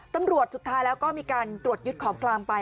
สุดท้ายแล้วก็มีการตรวจยึดของกลางไป